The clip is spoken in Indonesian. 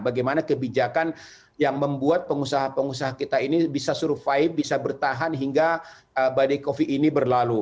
bagaimana kebijakan yang membuat pengusaha pengusaha kita ini bisa survive bisa bertahan hingga badai covid ini berlalu